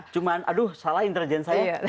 cuman aduh salah intergen saya